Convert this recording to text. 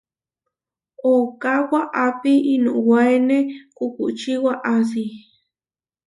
Ooká waʼapi inuwaéne kukučí waʼasi.